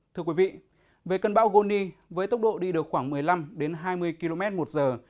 thưa quý vị về cơn bão goni với tốc độ đi được khoảng một mươi năm hai mươi km một giờ